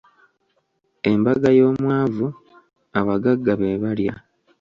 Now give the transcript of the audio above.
Embaga y’omwavu, abaggaga be balya.